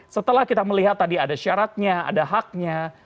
setelah kita melihat tadi ada syaratnya ada haknya